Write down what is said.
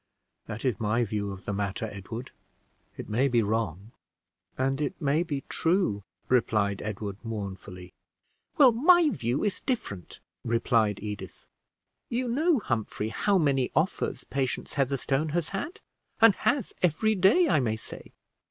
That is my view of the matter, Edward. It may be wrong." "And it may be true," replied Edward, mournfully. "Well, my view is different," replied Edith. "You know, Humphrey, how many offers Patience Heatherstone has had, and has every day, I may say.